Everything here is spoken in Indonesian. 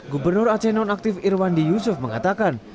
gubernur aceh nonaktif irwandi yusuf mengatakan